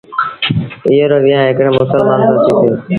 ايئي رو ويهآݩ هڪڙي مسلمآݩ سآݩ ٿيٚسيٚ۔